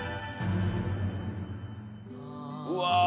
うわ